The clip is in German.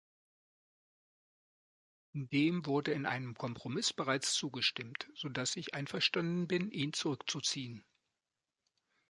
Dem wurde in einem Kompromiss bereits zugestimmt, so dass ich einverstanden bin, ihn zurückzuziehen.